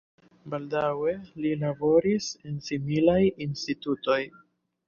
Baldaŭe li laboris en similaj institutoj.